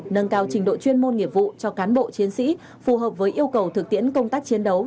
nâng cao trình độ chuyên môn nghiệp vụ cho cán bộ chiến sĩ phù hợp với yêu cầu thực tiễn công tác chiến đấu